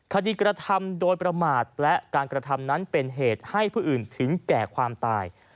กระทำโดยประมาทและการกระทำนั้นเป็นเหตุให้ผู้อื่นถึงแก่ความตาย